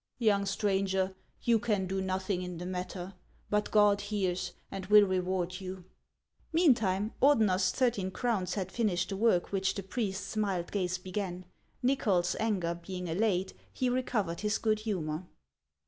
" Young stranger, you can do nothing in the matter ; but God hears, and will reward you !" Meantime, Ordener's thirteen crowns had finished the work which the priest's mild gaze began. Xychol's anger being allayed, he recovered his good humor.